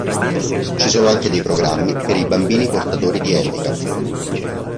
Ci sono anche dei programmi per i bambini portatori di handicap.